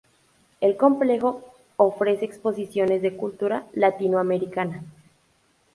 El complejo ofrece exposiciones de cultura latinoamericana.